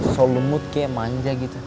so lemut kayak manja gitu